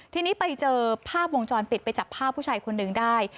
ทีนี้ไปเจอภาพวงจรปิดไปจับภาพผู้ชายคนหนึ่งได้